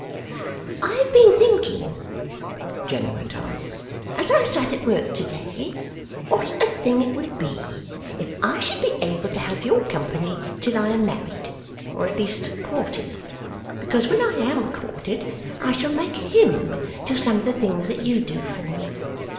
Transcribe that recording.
'I have been thinking,' Jenny went on, 'as I sat at work to day, what a thing it would be, if I should be able to have your company till I am married, or at least courted. Because when I am courted, I shall make Him do some of the things that you do for me.